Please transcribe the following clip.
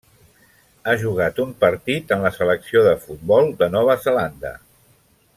Ha jugat un partit en la selecció de futbol de Nova Zelanda.